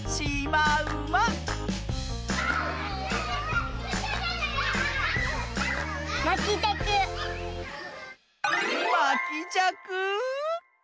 まきじゃく！